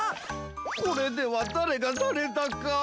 これではだれがだれだか。